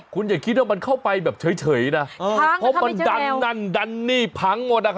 คุณอย่าคิดว่ามันเข้าไปแบบเฉยนะเพราะมันดันนั่นดันนี่พังหมด